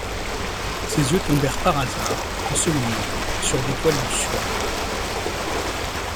Ses yeux tombèrent par hasard, en ce moment, sur l’Étoile du Sud.